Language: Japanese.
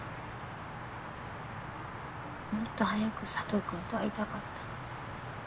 もっと早く佐藤君と会いたかった。